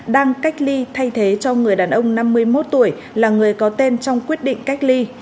đang cách ly thay thế cho người đàn ông năm mươi một tuổi là người có tên trong quyết định cách ly